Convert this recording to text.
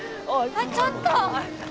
あっちょっと！